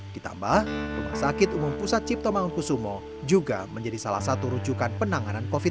ditambah rumah sakit umum pusat cipto mangunkusumo juga menjadi salah satu rujukan penanganan covid sembilan belas